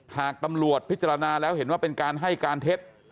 หากตำรวจพิจารณาแล้วเห็นว่าเป็นการให้การเท็จ